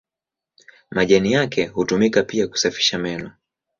Majani yake hutumika pia kusafisha meno.